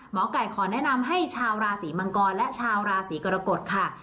หมอไก่ขอแนะนำให้ชาวราศีมังกรและชาวราศีกรกฎค่ะ